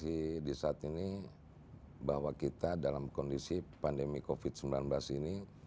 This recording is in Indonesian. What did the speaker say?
kondisi di saat ini bahwa kita dalam kondisi pandemi covid sembilan belas ini